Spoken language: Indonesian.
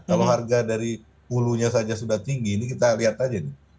kalau harga dari hulunya saja sudah tinggi ini kita lihat aja nih